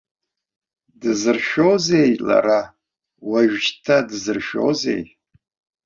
Дзыршәозеи лара, уажәшьҭа дзыршәозеи!